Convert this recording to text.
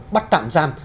bắt tạm giam